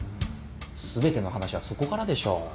全ての話はそこからでしょう。